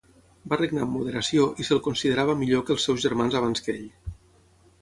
Va regnar amb moderació i se'l considerava millor que els seus germans abans que ell.